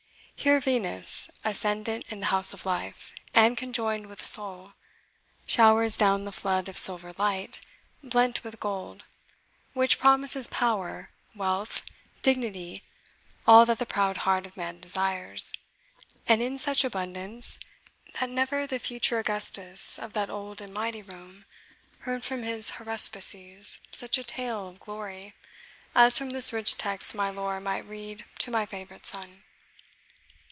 Here Venus, ascendant in the House of Life, and conjoined with Sol, showers down that flood of silver light, blent with gold, which promises power, wealth, dignity, all that the proud heart of man desires, and in such abundance that never the future Augustus of that old and mighty Rome heard from his HARUSPICES such a tale of glory, as from this rich text my lore might read to my favourite son."